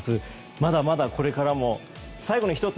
まだまだこれからも最後に１つ。